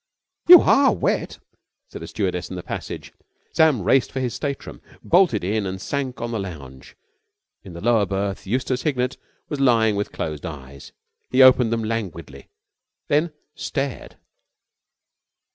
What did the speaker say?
"You are wet," said a stewardess in the passage. Sam raced for his state room. He bolted in and sank on the lounge. In the lower berth Eustace Hignett was lying with closed eyes. He opened them languidly then stared.